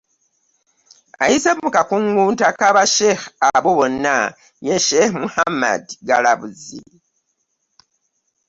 Ayise mu kakungunta ka Bamasheikh abo bonna ye Sheikh Muhammad Galabuzi